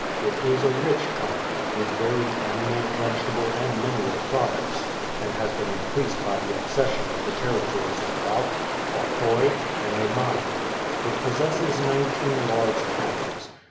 It is a rich country, with varied animal, vegetable, and mineral products, and has been increased by the accession of the territories of Balkh, Aukoi, and Meimaneh. It possesses nineteen large towns.